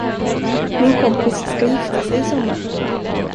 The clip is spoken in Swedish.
Min kompis ska gifta sig i sommar.